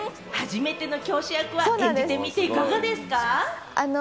初めての教師役は演じてみていかがですか？